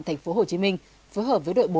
thành phố hồ chí minh phối hợp với đội bốn